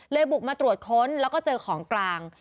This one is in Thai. บุกมาตรวจค้นแล้วก็เจอของกลาง